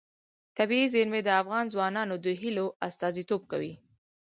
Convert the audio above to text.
طبیعي زیرمې د افغان ځوانانو د هیلو استازیتوب کوي.